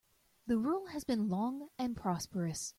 The rule has been long and prosperous.